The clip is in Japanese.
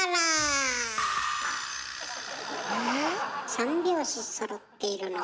三拍子そろっているの。